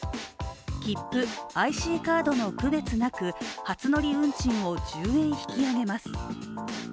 切符、ＩＣカードの区別なく初乗り運賃を１０円引き上げます。